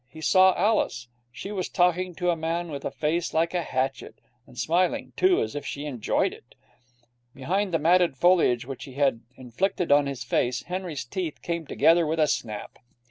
He saw Alice. She was talking to a man with a face like a hatchet, and smiling, too, as if she enjoyed it. Behind the matted foliage which he had inflicted on his face, Henry's teeth came together with a snap.